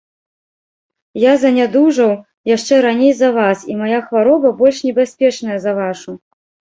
Я занядужаў яшчэ раней за вас, і мая хвароба больш небяспечная за вашу.